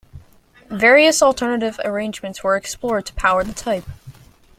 Various alternative arrangements were explored to power the type.